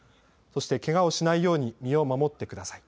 そして、けがをしないように身を守ってください。